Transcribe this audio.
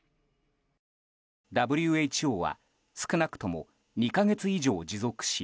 ＷＨＯは少なくとも２か月以上持続し